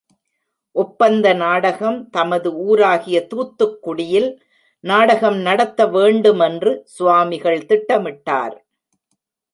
ஒப்பந்த நாடகம் தமது ஊராகிய தூத்துக்குடியில் நாடகம் நடத்த வேண்டு மென்று சுவாமிகள் திட்டமிட்டார்.